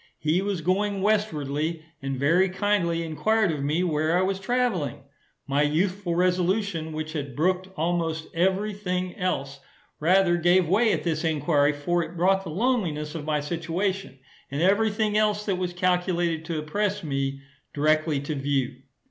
He was going westwardly, and very kindly enquired of me where I was travelling? My youthful resolution, which had brooked almost every thing else, rather gave way at this enquiry; for it brought the loneliness of my situation, and every thing else that was calculated to oppress me, directly to view.